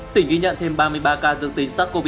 tỉnh ghi nhận thêm ba mươi ba ca dương tính sars cov hai